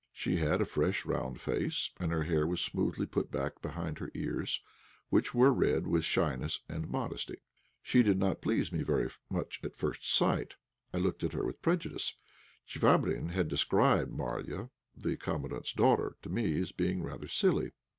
She had a fresh, round face, and her hair was smoothly put back behind her ears, which were red with shyness and modesty. She did not please me very much at first sight; I looked at her with prejudice. Chvabrine had described Marya, the Commandant's daughter, to me as being rather silly.